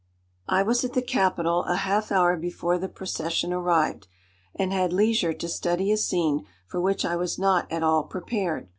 "I was at the Capitol a half hour before the procession arrived, and had leisure to study a scene for which I was not at all prepared.